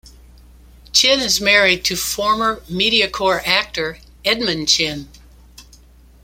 Chen is married to former MediaCorp actor Edmund Chen.